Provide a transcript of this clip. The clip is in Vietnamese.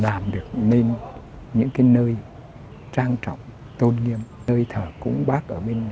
là mình đã làm được nên những cái nơi trang trọng tôn nghiêm nơi thờ cúng bác ở bên nhà sáu mươi bảy